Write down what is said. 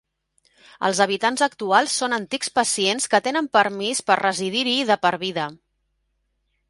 Els habitants actuals són antics pacients que tenen permís per residir-hi de per vida.